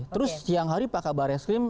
terus siang hari pak kabar eskrim